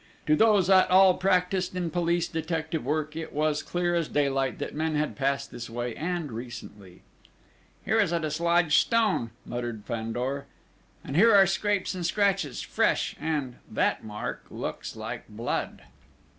To those at all practised in police detective work, it was clear as daylight that men had passed this way, and recently. "Here is a dislodged stone," muttered Fandor. "And here are scrapes and scratches fresh ... and ... that mark looks like blood!"